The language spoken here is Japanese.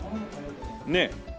ねえ。